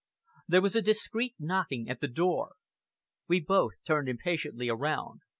There was a discreet knocking at the door. We both turned impatiently around.